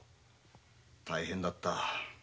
大変だった。